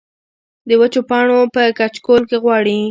د وچو پاڼو پۀ کچکول کې غواړي